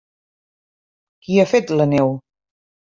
Qui ha fet la neu?